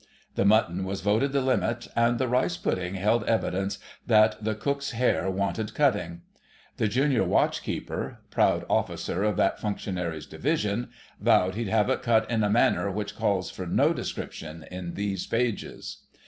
The mutton was voted the limit, and the rice pudding held evidences that the cook's hair wanted cutting. The Junior Watch keeper—proud officer of that functionary's division—vowed he'd have it cut in a manner which calls for no description in these pages.